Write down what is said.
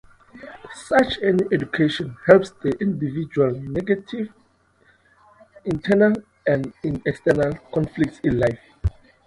Such an education helps the individual navigate internal and external conflicts in life.